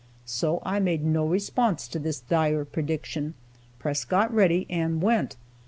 So I made no response to this dire prediction; Press got ready, and went.